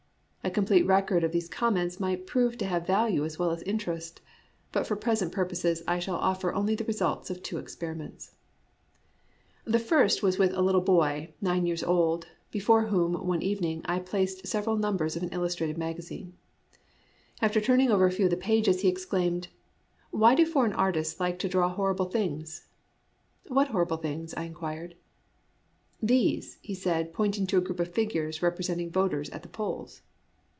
A complete record of these comments might prove to have value as well as interest ; but for present purposes I shall offer only the results of two experiments. 122 ABOUT FACES IN JAPANESE ART The first was witli a little boy, nine years old, before wbom, one evening, I placed sev eral numbers of an illustrated magazine. After turning over a few of the pages, he exclaimed, " Why do foreign artists like to draw horrible things ?"" What horrible things ?" I inquired. "These," he said, pointing to a group of figures representing voters at the polls.